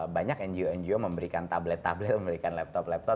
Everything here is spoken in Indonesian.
banyak ngo ngo memberikan tablet tablet memberikan laptop laptop